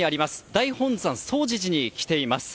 大本山総持寺に来ています。